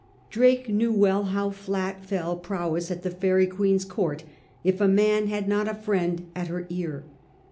Drake knew well how flat fell prowess at the Faery Queen's Court if a man had not a fiiend at her ear.